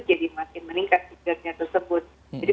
jadi makin meningkat gerdnya tersebut